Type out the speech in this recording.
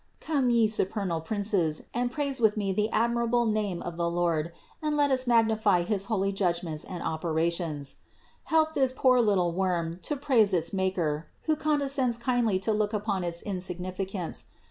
Come, ye supernal princes, and praise with me the admirable name of the Lord and let us magnify his holy judgments and operations. Help this poor little worm to praise its Maker, who condescends kindly to look upon its insignificance.